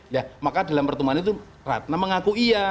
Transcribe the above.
ya maka dalam pertemuan itu ratna mengaku iya